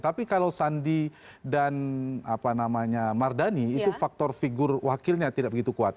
tapi kalau sandi dan mardani itu faktor figur wakilnya tidak begitu kuat